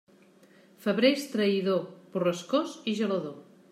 Febrer és traïdor, borrascós i gelador.